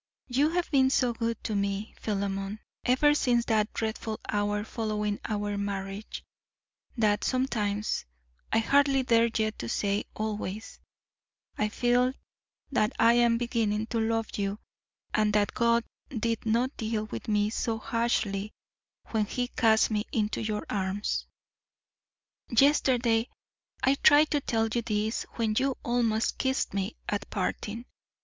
You have been so good to me, Philemon, ever since that dreadful hour following our marriage, that sometimes I hardly dare yet to say always I feel that I am beginning to love you and that God did not deal with me so harshly when He cast me into your arms. Yesterday I tried to tell you this when you almost kissed me at parting.